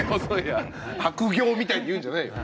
悪行みたいに言うんじゃないよ。